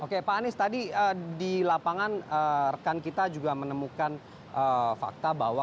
oke pak anies tadi di lapangan rekan kita juga menemukan fakta bahwa